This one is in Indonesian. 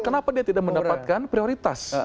kenapa dia tidak mendapatkan prioritas